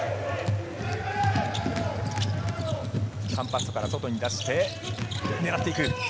カンパッソから外に出して狙っていく。